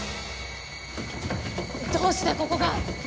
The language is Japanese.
どうしてここが？